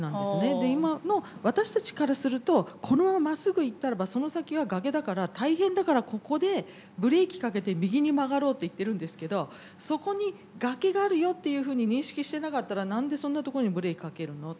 で今の私たちからするとこのまままっすぐ行ったらばその先は崖だから大変だからここでブレーキかけて右に曲がろうって言ってるんですけどそこに崖があるよっていうふうに認識してなかったら何でそんなところにブレーキかけるのと。